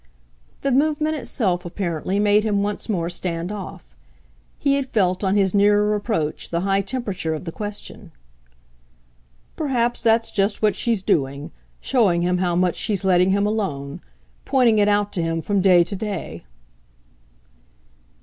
The movement itself, apparently, made him once more stand off. He had felt on his nearer approach the high temperature of the question. "Perhaps that's just what she's doing: showing him how much she's letting him alone pointing it out to him from day to day."